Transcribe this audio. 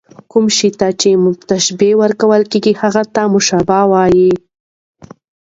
کوم شي ته چي تشبیه ورکول کېږي؛ هغه ته مشبه وايي.